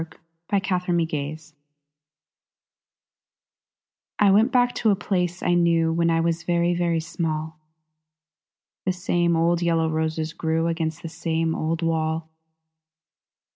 Aline Kilmer Remembrance I WENT back to a place I knew When I was very, very small; The same old yellow roses grew Against the same old wall.